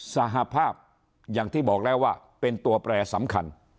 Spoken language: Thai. สหภาพอย่างที่บอกแล้วว่าเป็นตัวแปรสำคัญ